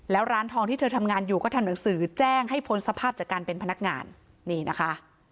แล้วร้านทองที่เธอทำงานอยู่ก็ทำหนังสือแจ้งให้พ้นสภาพจากการเป็นพนักงานนี่นะคะ